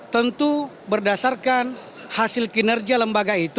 tentu berdasarkan hasil kinerja lembaga itu